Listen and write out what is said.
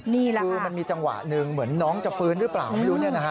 นี่แหละค่ะคือมันมีจังหวะหนึ่งเหมือนน้องจะฟื้นหรือเปล่าไม่รู้